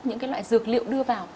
những cái loại dược liệu đưa vào